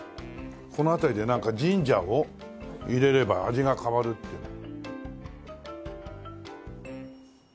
この辺りでなんかジンジャーを入れれば味が変わるっていうの。